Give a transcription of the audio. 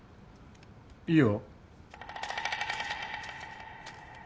いいよ。